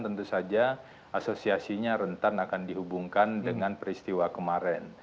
tentu saja asosiasinya rentan akan dihubungkan dengan peristiwa kemarin